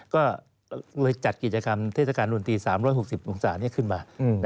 ก็เลยจัดกิจกรรมเทศกาลดนตรี๓๖๐องศาขึ้นมา